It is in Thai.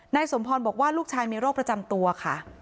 สมพรบอกว่าลูกชายมีโรคประจำตัวค่ะ